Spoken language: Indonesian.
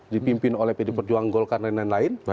dipimpin oleh pd perjuangan golkar dan lain lain